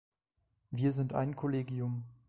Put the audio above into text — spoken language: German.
Wir sind ein Kollegium.